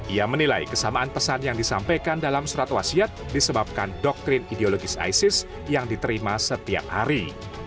ia menilai kesamaan pesan yang disampaikan dalam surat wasiat disebabkan doktrin ideologis isis yang diterima setiap hari